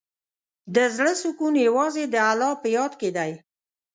د زړۀ سکون یوازې د الله په یاد کې دی.